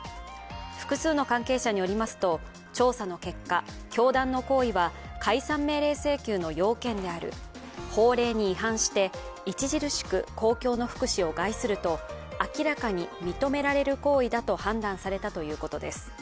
複数の関係者によりますと、調査の結果、教団の行為は解散命令の請求の要件である法令に違反して、著しく公共の福祉を害すると、明らかに認められる行為だと判断されたということです。